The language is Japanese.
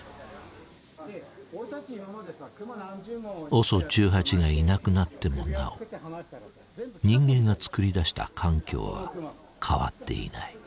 ＯＳＯ１８がいなくなってもなお人間が作り出した環境は変わっていない。